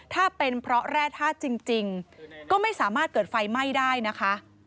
ถ้าเป็นเพราะแร่ธาตุจริงก็ไม่สามารถเกิดไฟไหม้ได้นะคะ